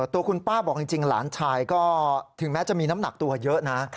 ตัวคุณป้าบอกจริงหลานชายก็ถึงแม้จะมีน้ำหนักตัวเยอะนะ